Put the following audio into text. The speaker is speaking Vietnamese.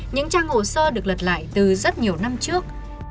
những trang hồ sơ được lật lại từ rất nhiều năm trước